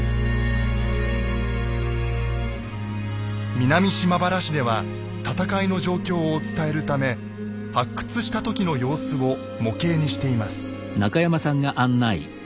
南島原市では戦いの状況を伝えるため発掘した時の様子を模型にしています。